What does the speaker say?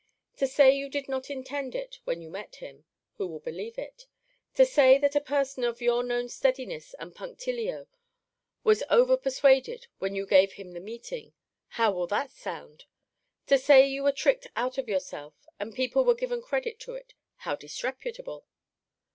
To say, you did not intend it when you met him, who will believe it? To say, that a person of your known steadiness and punctilio was over persuaded when you gave him the meeting, how will that sound? To say, you were tricked out of yourself, and people were given credit to it, how disreputable!